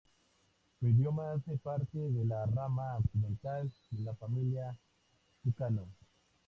Su idioma hace parte de la rama occidental de la familia tucano.